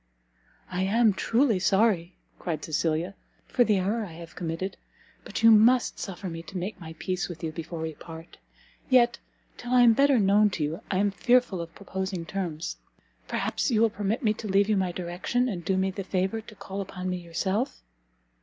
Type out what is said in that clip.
"I am truly sorry," cried Cecilia, "for the error I have committed, but you must suffer me to make my peace with you before we part: yet, till I am better known to you, I am fearful of proposing terms. Perhaps you will permit me to leave you my direction, and do me the favour to call upon me yourself?"